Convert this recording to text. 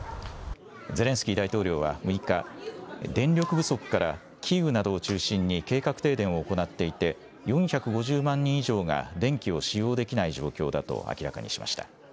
ゼレンスキー大統領は６日、電力不足からキーウなどを中心に計画停電を行っていて、４５０万人以上が電気を使用できない状況だと明らかにしました。